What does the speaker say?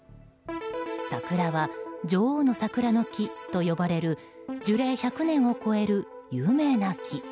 桜は、女王の桜の木と呼ばれる樹齢１００年を超える有名な木。